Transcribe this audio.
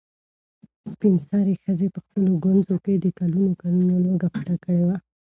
سپین سرې ښځې په خپلو ګونځو کې د کلونو کلونو لوږه پټه کړې وه.